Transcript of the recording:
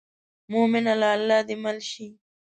مومنه له الله دې مل شي.